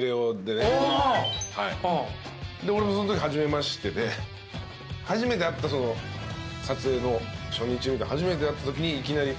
で俺もそんとき初めましてで初めて会った撮影の初日初めて会ったときにいきなり。